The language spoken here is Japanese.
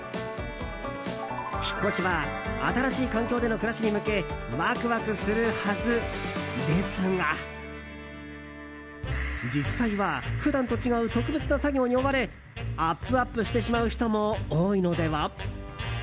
引っ越しは新しい環境での暮らしに向けワクワクするはずですが実際は普段と違う特別な作業に追われアップアップしてしまう人も多いのでは。